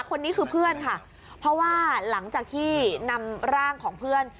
คนนี้คือเพื่อนค่ะเพราะว่าหลังจากที่นำร่างของเพื่อน